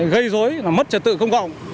gây dối và mất trật tự công cộng